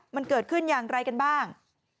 มันเกิดขึ้นอย่างไรกันบ้าง